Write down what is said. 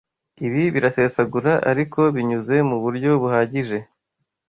Ibi birasesagura Ariko binyuze muburyo buhagije